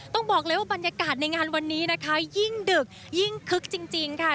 ต้องบอกเลยว่าบรรยากาศในงานวันนี้นะคะยิ่งดึกยิ่งคึกจริงค่ะ